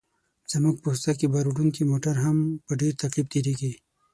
زموږ په کوڅه کې باروړونکي موټر هم په ډېر تکلیف تېرېږي.